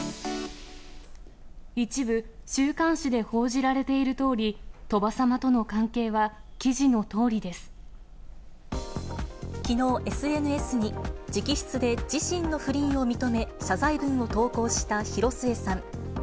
一部、週刊誌で報じられているとおり、鳥羽様との関係は記事のとおりできのう、ＳＮＳに、直筆で自身の不倫を認め、謝罪文を投稿した広末さん。